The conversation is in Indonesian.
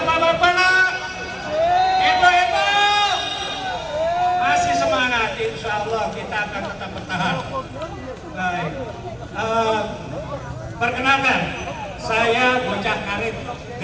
umur lewat tapi dia dia akan lagi jahat